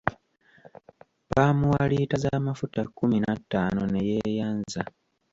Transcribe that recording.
Baamuwa liita z’amafuta kkumi na ttano ne yeeyanza.